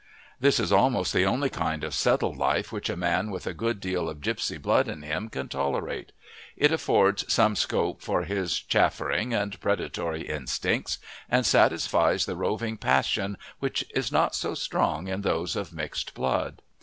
This is almost the only kind of settled life which a man with a good deal of gipsy blood in him can tolerate; it affords some scope for his chaffering and predatory instincts and satisfies the roving passion, which is not so strong in those of mixed blood.